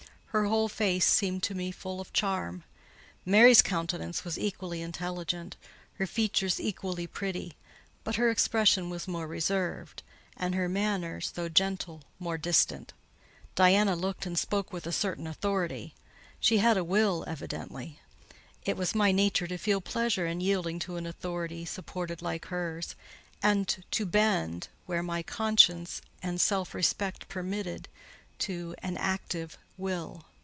Her whole face seemed to me full of charm. Mary's countenance was equally intelligent—her features equally pretty; but her expression was more reserved, and her manners, though gentle, more distant. Diana looked and spoke with a certain authority: she had a will, evidently. It was my nature to feel pleasure in yielding to an authority supported like hers, and to bend, where my conscience and self respect permitted, to an active will.